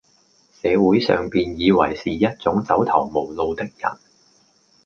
社會上便以爲是一種走投無路的人，